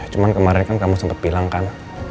cuman kemarin kan kamu sempat bilang kan